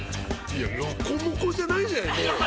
「ロコモコじゃないじゃないもう」